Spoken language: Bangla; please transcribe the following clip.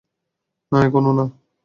না, এখনও না।